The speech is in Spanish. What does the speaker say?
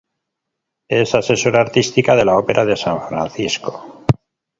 Es asesora artística de la Ópera de San Francisco.